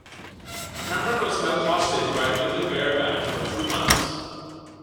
Cameron was held hostage by the Little Bear Band for two months.